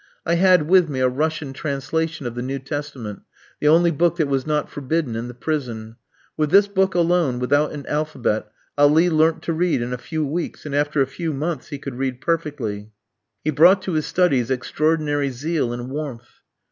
I had with me a Russian translation of the New Testament, the only book that was not forbidden in the prison. With this book alone, without an alphabet, Ali learnt to read in a few weeks, and after a few months he could read perfectly. He brought to his studies extraordinary zeal and warmth.